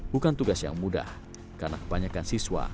bukan tugas yang mudah karena kebanyakan siswa